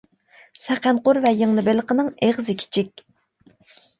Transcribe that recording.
سەقەنقۇر ۋە يىڭنە بېلىقنىڭ ئېغىزى كىچىك.